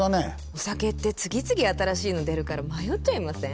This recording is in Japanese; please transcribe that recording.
お酒って次々新しいの出るから迷っちゃいません？